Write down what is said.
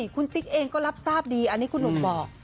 คุณติ๊กเองก็รับทราบดีอันนี้คุณหนุ่มบอก